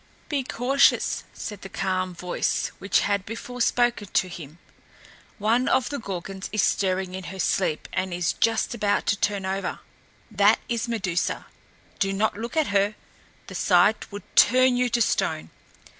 "Be cautious," said the calm voice which had before spoken to him. "One of the Gorgons is stirring in her sleep and is just about to turn over. That is Medusa. Do not look at her! The sight would turn you to stone!